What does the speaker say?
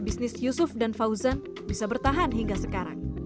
bisnis yusuf dan fauzan bisa bertahan hingga sekarang